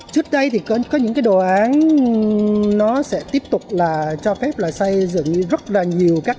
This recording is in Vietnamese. trước đây thì có những cái đồ án nó sẽ tiếp tục là cho phép là xây dựng rất là nhiều các